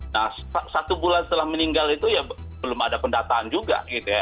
nah satu bulan setelah meninggal itu ya belum ada pendataan juga gitu ya